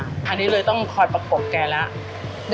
อันนี้เลยต้องคอยประกบแกแล้ว